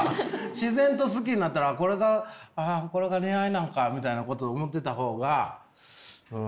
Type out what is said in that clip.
自然と好きになったらこれがあこれが恋愛なんかみたいなこと思ってた方がうん。